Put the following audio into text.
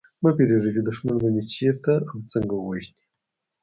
مه وېرېږی چي دښمن به مي چېرته او څنګه ووژني